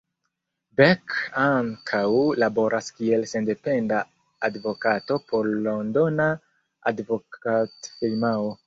Beck ankaŭ laboras kiel sendependa advokato por Londona advokatfirmao.